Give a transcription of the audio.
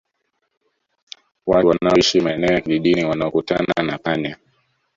Watu wanaoishi maeneo ya kijijini wanaokutana na panya